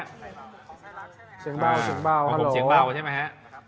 ของผมเสียงเบาใช่ไหมฮะ